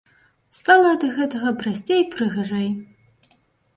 Стала ад гэтага прасцей і прыгажэй.